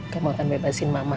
kamu akan bebasin mama